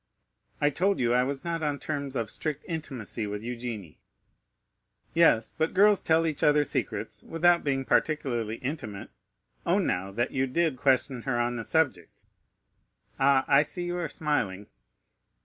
"I told you I was not on terms of strict intimacy with Eugénie." "Yes, but girls tell each other secrets without being particularly intimate; own, now, that you did question her on the subject. Ah, I see you are smiling."